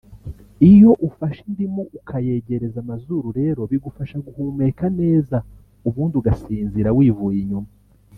iyo ufashe indimu ukayegereza amazuru rero bigufasha guhumeka neza ubundi ugasinzira wivuye inyuma